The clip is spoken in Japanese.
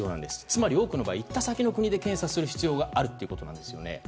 つまり多くの場合行った先の国で検査する必要があるということなんですよね。